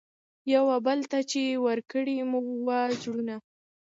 یوه بل ته چي ورکړي مو وه زړونه